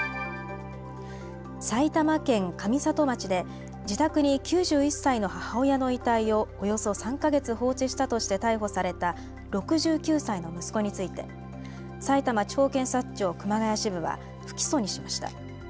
埼玉県上里町で自宅に９１歳の母親の遺体をおよそ３か月放置したとして逮捕された６９歳の息子についてさいたま地方検察庁熊谷支部は不起訴にしました。